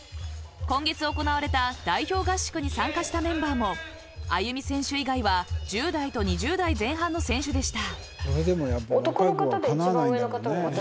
今月行われた代表合宿に参加したメンバーもあゆみ選手以外は１０代と２０代前半の選手でした。